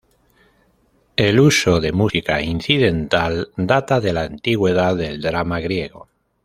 El uso de música incidental data de la antigüedad del drama griego.